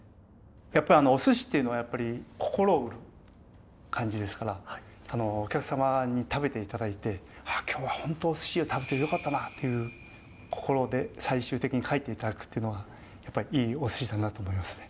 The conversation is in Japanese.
やっぱりお鮨っていうのはやっぱり心を売る感じですからお客様に食べていただいて「今日は本当お鮨を食べてよかったな」っていう心で最終的に帰っていただくというのがやっぱりいいお鮨だなと思いますね。